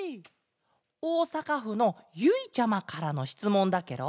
おおさかふのゆいちゃまからのしつもんだケロ。